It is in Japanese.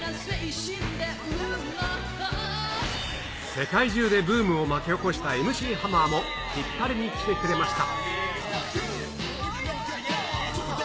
世界中でブームを巻き起こしたＭ．Ｃ．ハマーも、ヒッパレに来てくれました。